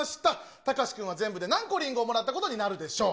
たかし君は全部で何個リンゴをもらったことになるでしょう。